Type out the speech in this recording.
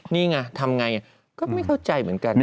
นี่ไงทำไงก็ไม่เข้าใจเหมือนกัน